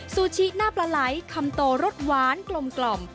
ซูชิหน้าปลาไหลคำโตรสหวานกลม